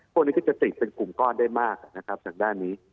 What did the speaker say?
พวกนี้ก็จะติดเป็นกลุ่มก้อนได้มากนะครับทางด้านนี้